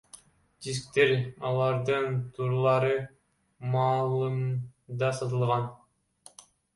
Дисктер алардын турлары маалында сатылган.